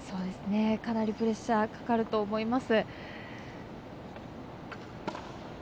かなりプレッシャーかかると思います。